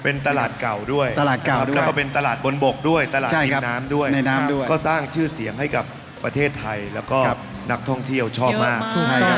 เป็นตลาดเก่าด้วยและเป็นตลาดบนบกด้วยเป็นตลาดซีนน้ำด้วยก็สร้างชื่อเสียงให้กับประเทศไทยและเอาใหญ่ชอบเลย